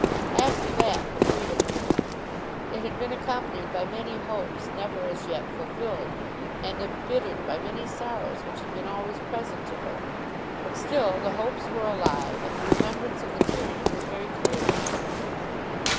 After that the freedom had come. It had been accompanied by many hopes never as yet fulfilled, and embittered by many sorrows which had been always present to her; but still the hopes were alive and the remembrance of the tyranny was very clear to her.